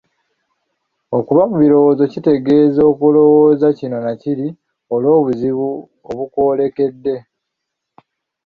Okuba mu birowoozo kitegeeza kulowooza kino na kiri olw'obuzibu obukwolekedde